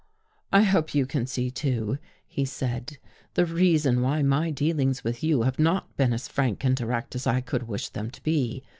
"I hope you can see, too," he said, " the reason why my dealings with you have not been as frank and direct as I could wish them to be.